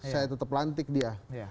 saya tetap lantik dia